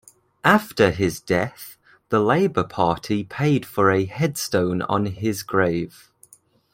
After his death, the Labour Party paid for a headstone on his grave.